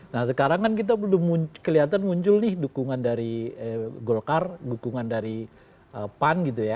nah sekarang kan kita belum kelihatan muncul nih dukungan dari golkar dukungan dari pan gitu ya